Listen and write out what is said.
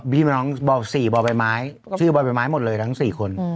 พี่น้องสี่บอร์ไบไม้ชื่อบอร์ไบไม้หมดเลยทั้งสี่คน